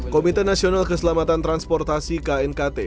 komite nasional keselamatan transportasi knkt